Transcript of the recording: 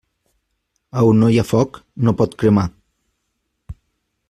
A on no hi ha foc, no pot cremar.